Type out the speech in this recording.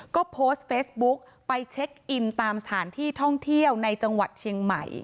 ก็โพสต์เฟซบุ๊กไปเช็คอินตามสถานที่ท่องเที่ยวในจังหวัดเชียงใหม่